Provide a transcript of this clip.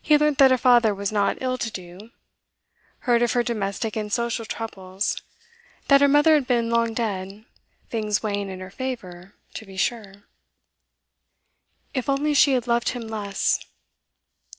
He learnt that her father was not ill to do, heard of her domestic and social troubles, that her mother had been long dead, things weighing in her favour, to be sure. If only she had loved him less!